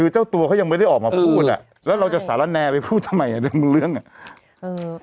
เจ้าตัวเขายังไม่ได้ออกมาพูดอ่ะแล้วเราจะสารแนไปพูดทำไมอ่ะเรื่องอ่ะ